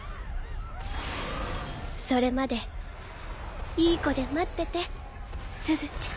それまでいい子で待っててすずちゃん